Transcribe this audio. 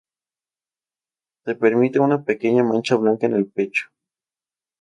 Se permite una pequeña mancha blanca en el pecho.